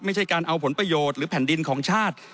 ไม่ใช่การเอาผลประโยชน์หรือแผ่นดินของชาติ